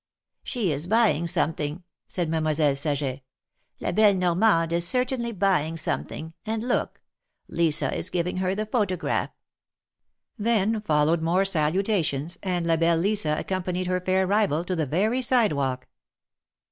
'^She is buying something," said Mademoiselle Saget. La belle Normande is certainly buying something — and look ! Lisa is giving her the photograph !" Then followed more salutations, and La belle Lisa accompanied her fair rival to the very sidewalk.